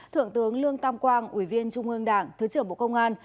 thượng tướng lương tam quang ủy viên trung ương đảng thứ trưởng bộ công an